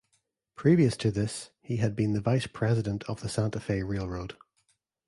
Previous to this, he had been vice president of the Santa Fe Railroad.